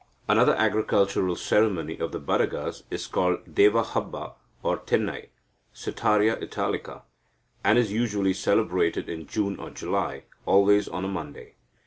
Another agricultural ceremony of the Badagas is called Devva habba or tenai (Setaria italica), and is usually celebrated in June or July, always on a Monday.